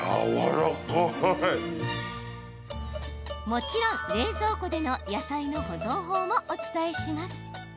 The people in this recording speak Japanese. もちろん冷蔵庫での野菜の保存法もお伝えします。